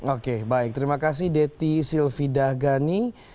oke baik terima kasih dety silvidagani